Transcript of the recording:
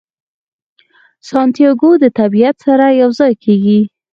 سانتیاګو د طبیعت سره یو ځای کیږي.